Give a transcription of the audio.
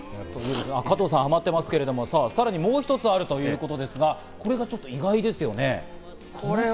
加藤さん、ハマってますけど、さらにもう一つあるということですが、これがちょっと意外ですね。